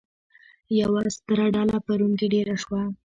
یوه ستره ډله په روم کې دېره شوه.